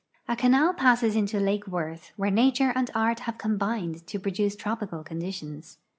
A canal }>a.sses into lake Worth, where nature and art have combined to ]>roduce tropical conditions.